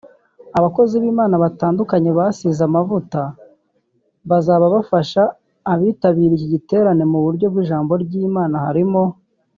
Abakozi b’Imana batandukanye basize amavuta bazaba bafasha abitabiriye iki giterane mu buryo bw’ijambo ry’Imana harimo